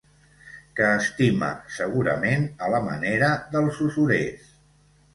Que estima, segurament a la manera dels usurers.